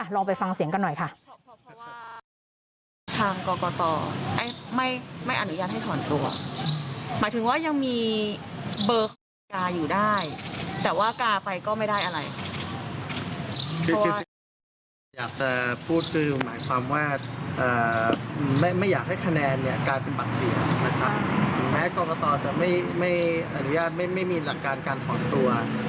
ลองไปฟังเสียงกันหน่อยค่ะ